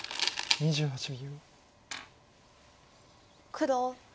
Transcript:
２８秒。